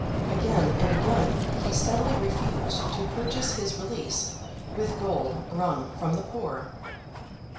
Again and again, he steadily refused to purchase his release with gold wrung from the poor.